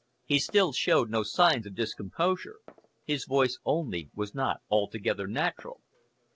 He still showed no signs of discomposure his voice only was not altogether natural.